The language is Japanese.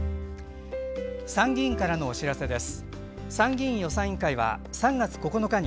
参議院からのお知らせです。